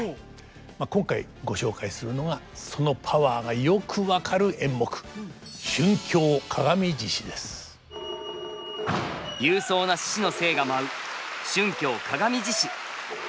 今回ご紹介するのがそのパワーがよく分かる演目勇壮な獅子の精が舞う「春興鏡獅子」。